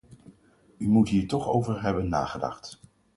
U moet hier toch over hebben nagedacht.